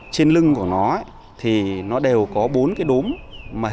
trên lưng của nó thì nó đều có bốn cái đốm